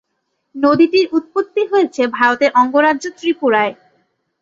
নদীটির উৎপত্তি হয়েছে ভারতের অঙ্গরাজ্য ত্রিপুরায়।